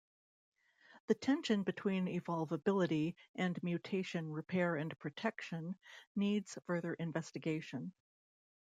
The tension between evolvability and mutation repair and protection needs further investigation.